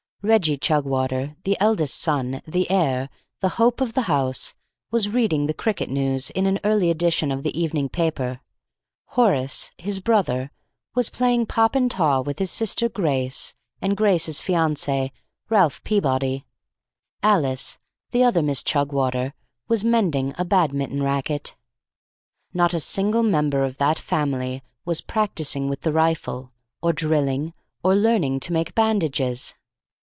Reggie Chugwater, the eldest son, the heir, the hope of the house, was reading the cricket news in an early edition of the evening paper. Horace, his brother, was playing pop in taw with his sister Grace and Grace's fiance, Ralph Peabody. Alice, the other Miss Chugwater, was mending a Badminton racquet. Not a single member of that family was practising with the rifle, or drilling, or learning to make bandages.